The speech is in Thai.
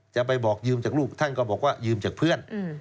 จะไปบอกยืมจากลูกท่านก็บอกว่ายืมจากเพื่อน